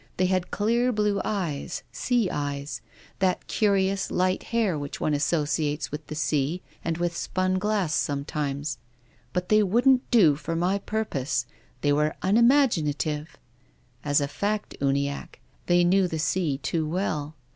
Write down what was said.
They had clear blue eyes, sea eyes ; that curious light hair which one associates with the sea and with spun glass sometimes. But they wouldn't do for my purpose. They were un imaginative. As a fact, Uniacke, they knew the sea too well.